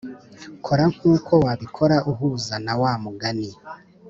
kora nkuko wabikora uhuza na wa mugani